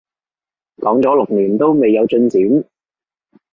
講咗六年都未有進展